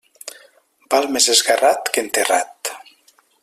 Val més esgarrat que enterrat.